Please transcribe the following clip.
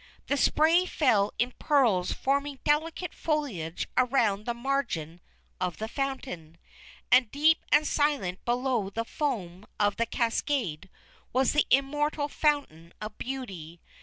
The spray fell in pearls forming delicate foliage around the margin of the Fountain. And deep and silent below the foam of the cascade was the Immortal Fountain of Beauty.